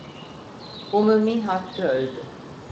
Umumi Harp'te öldü…